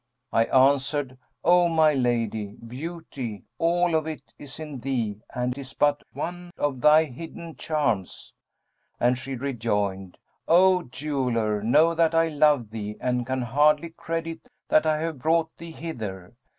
I answered, 'O my lady, beauty, all of it, is in thee and is but one of thy hidden charms.' And she rejoined, 'O Jeweller, know that I love thee and can hardly credit that I have brought thee hither.'